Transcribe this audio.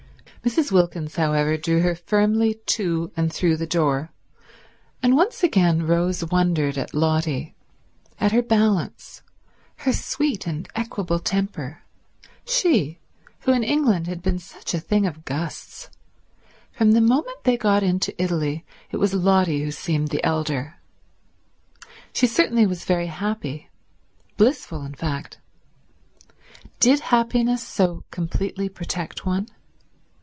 Mrs. Wilkins, however, drew her firmly to and through the door, and once again Rose wondered at Lotty, at her balance, her sweet and equable temper—she who in England had been such a thing of gusts. From the moment they got into Italy it was Lotty who seemed the elder. She certainly was very happy; blissful, in fact. Did happiness so completely protect one?